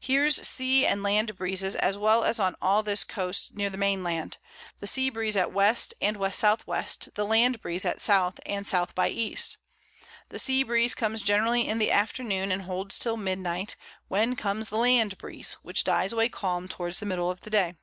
Here's Sea and Land Breezes, as well as on all this Coast near the Main Land; the Sea Breeze at W. and W.S.W. the Land Breeze at S. and S. by E. The Sea Breeze comes generally in the Afternoon, and holds till Midnight, when comes the Land Breeze, which dies away calm towards the Middle of the Day.